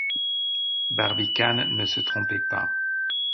Barbicane ne se trompait pas.